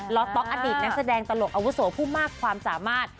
ล้อต๊อกอดีตแสดงตลกอวสูรผู้มากความสามารถ